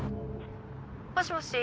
☎「もしもし？